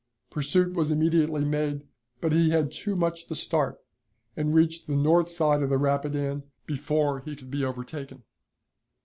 Pursuit was immediately made, but he had too much the start, and reached the north side of the Rapidan before he could be overtaken.